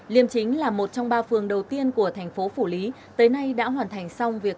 liêm chính là một trong ba phường đầu tiên của thành phố phủ lý tới nay đã hoàn thành xong việc